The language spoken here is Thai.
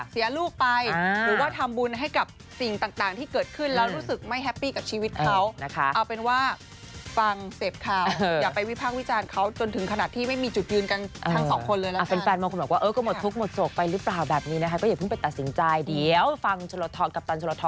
เทราทอเนี่ยออกมาพูดอีกทีหนึ่งก็แล้วกันนะคะใช่ค่ะ